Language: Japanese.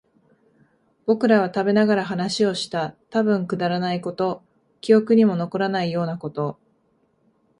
僕らは食べながら話をした。たぶんくだらないこと、記憶にも残らないようなこと。